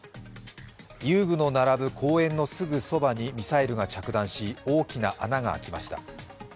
遊具の並ぶ公園のすぐそばにミサイルが着弾し、大きな穴が開きました。